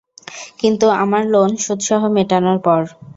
কিন্তু আমার লোন সুদসহ মেটানোর পর।